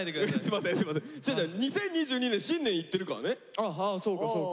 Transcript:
あそうかそうか。